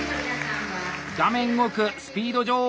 画面奥「スピード女王」